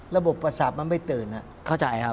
ระบบประสาทมันไม่ตื่นเข้าใจครับ